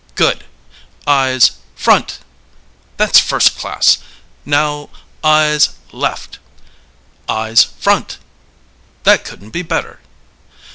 Good! Eyes front! That's first class. Now: Eyes left! Eyes front! That couldn't be better."